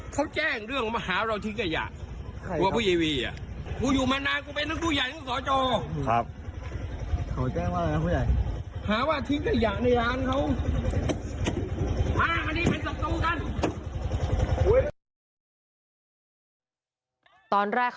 ขอแจ้งล่ะนะผู้ใหญ่